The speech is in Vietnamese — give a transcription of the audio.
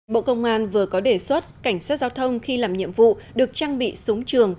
bộ công an vừa có đề xuất cảnh sát giao thông khi làm nhiệm vụ được trang bị súng trường